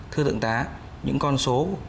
thưa thượng tá những con số